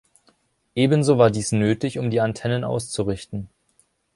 Ebenso war dies nötig, um die Antennen auszurichten.